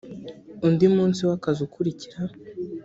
undi munsi w akazi ukurikira